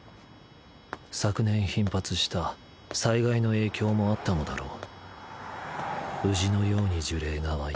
昨年頻発した災害の影響もあったのだろう。